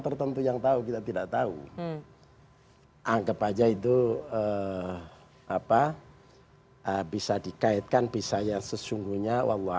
tertentu yang tahu kita tidak tahu anggap aja itu apa bisa dikaitkan bisa yang sesungguhnya